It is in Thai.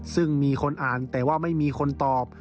ซึ่งมีคนอ่านแต่ว่าไม่มีคนตอบ